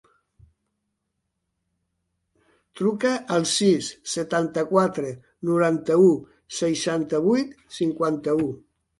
Truca al sis, setanta-quatre, noranta-u, seixanta-vuit, cinquanta-u.